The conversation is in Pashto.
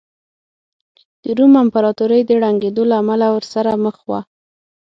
د روم امپراتورۍ د ړنګېدو له امله ورسره مخ وه